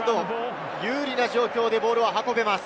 有利な状況でボールを運べます。